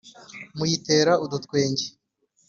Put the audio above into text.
muyitere udutwenge